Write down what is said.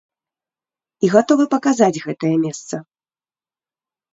І гатовы паказаць гэтае месца.